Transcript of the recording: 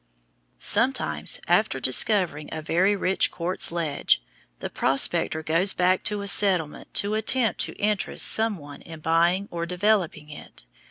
Sometimes, after discovering a very rich quartz ledge, the prospector goes back to a settlement to attempt to interest some one in buying or developing it.